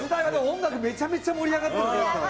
音楽めちゃめちゃ盛り上がってる時でしたよね。